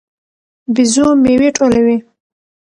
بيزو میوې ټولوي.